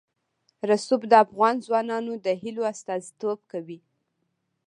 رسوب د افغان ځوانانو د هیلو استازیتوب کوي.